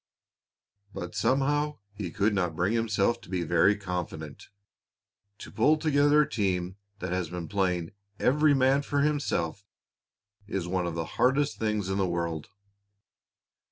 But somehow he could not bring himself to be very confident. To pull together a team that has been playing "every man for himself" is one of the hardest things in the world.